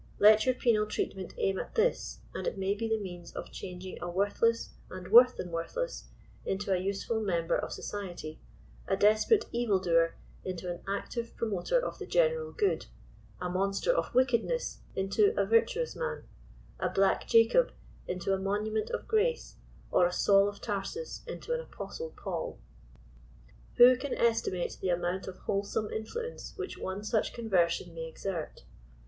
Let your penal treatment aim at this, and it may be the means of changing a worthless, and worse than worthless, into a useful member of society, a desperate evil doer into an active promoter of the general good, a monster of wickedness into a virtuous man, a « black Jacob' into a * monument of grace,' or a Saul of Tarsus into an apostle Paul. Who can estimate the amount of wholesome influence which one such conversion may exert